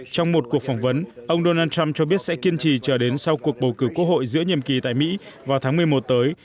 trong một cuộc phỏng vấn ông donald trump cho biết sẽ kiên trì chờ đến sau cuộc bầu cử quốc hội giữa nhiệm kỳ tại mỹ vào tháng một mươi một tới